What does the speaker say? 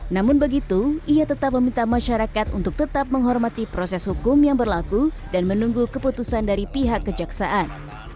namun begitu ia tetap meminta masyarakat untuk tetap menghormati proses hukum yang berlaku dan menunggu keputusan dari pihak kejaksaan